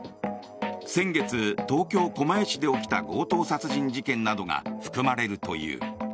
先月、東京・狛江市で起きた強盗殺人事件などが含まれるという。